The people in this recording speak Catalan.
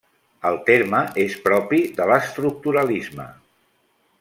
El terme és propi de l'estructuralisme.